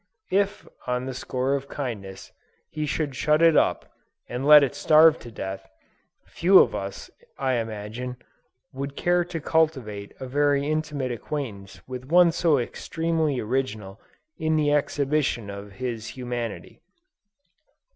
If, on the score of kindness, he should shut it up, and let it starve to death, few of us, I imagine, would care to cultivate a very intimate acquaintance with one so extremely original in the exhibition of his humanity!